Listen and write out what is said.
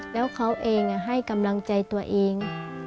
แล้วเขาเองให้กำลังใจตัวเอง